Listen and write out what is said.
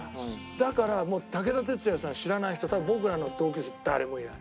だから武田鉄矢さんを知らない人は多分僕らの同級生誰もいない。